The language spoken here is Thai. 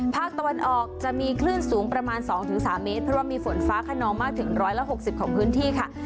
ภาคตะวันออกจะมีคลื่นสูงประมาณ๒๓เมตรเพราะว่ามีฝนฟ้าขนองมากถึง๑๖๐ของพื้นที่ค่ะ